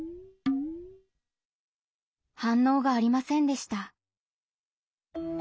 反応がありませんでした。